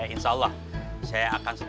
insya allah saya akan